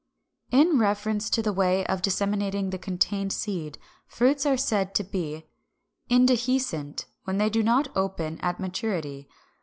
350. In reference to the way of disseminating the contained seed, fruits are said to be Indehiscent when they do not open at maturity.